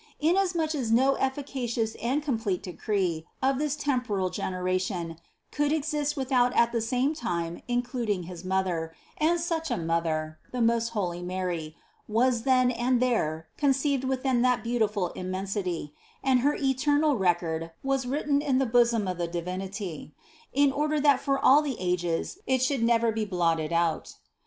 Inasmuch as no efficacious and complete decree of this temporal gen THE CONCEPTION 67 eration could exist without at the same time including his Mother, and such a Mother, the most holy Mary, was then and there conceived within that beautiful Im mensity, and Her eternal record was written in the bosom of the Divinity, in order that for all the ages it should never be blotted out.